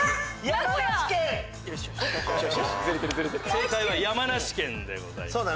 ・正解は山梨県でございます。